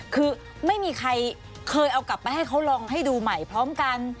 คือไม่มีใครเคยเอากลับไปให้เขาลองให้ดูใหม่พร้อมกัน